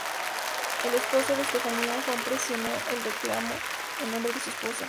El esposo de Estefanía, Juan presionó el reclamo en nombre de su esposa.